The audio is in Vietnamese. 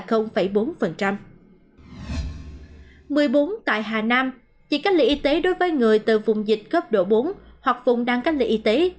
một mươi bốn tại hà nam chỉ cách lị y tế đối với người từ vùng dịch gấp độ bốn hoặc vùng đang cách lị y tế